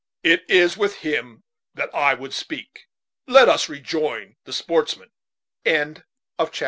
It is with him that I would speak. Let us rejoin the sportsmen." CHAPTER XVIII.